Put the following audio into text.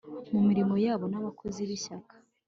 mu mirimo yabo n abakozi b Ishyaka